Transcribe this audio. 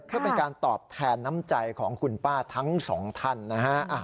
เพื่อเป็นการตอบแทนน้ำใจของคุณป้าทั้งสองท่านนะฮะ